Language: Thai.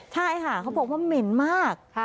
ใช่ค่ะเขาบอกว่าเหม็นมาก